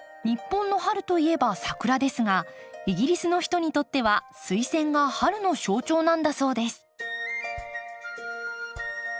日本の春といえばサクラですがイギリスの人にとってはスイセンが春の象徴なんだそうです。